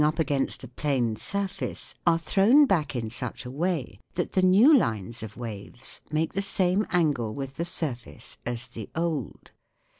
up against a plane surface are thrown back in such a way that the new lines of waves make the same angle with the surface as the old.